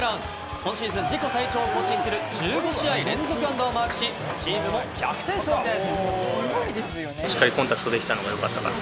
今シーズン自己最長１５試合連続安打をマークし、チームも逆転勝利です！